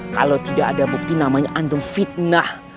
kalau tidak ada bukti namanya andung fitnah